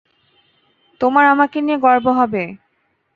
তোমার আমাকে নিয়ে গর্ব হবে।